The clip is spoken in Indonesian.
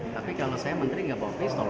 tapi kalau saya menteri nggak bawa pistol